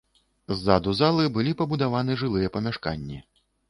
Ззаду залы былі пабудаваны жылыя памяшканні.